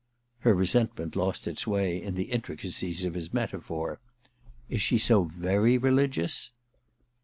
Her resentment lost its way in the intricacies of his metaphor. * Is she so very religious